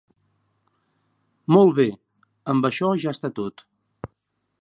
Molt bé, amb això ja està tot.